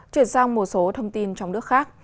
chuyển sang một số thông tin trong nước khác